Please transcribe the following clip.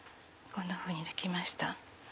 こんなふうに出来ました。